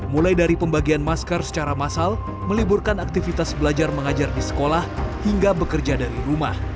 mulai dari pembagian masker secara massal meliburkan aktivitas belajar mengajar di sekolah hingga bekerja dari rumah